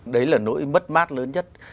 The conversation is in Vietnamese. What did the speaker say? đấy là nỗi bất mát lớn nhất